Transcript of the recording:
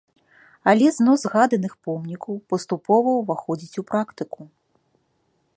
Але знос згаданых помнікаў паступова ўваходзіць у практыку.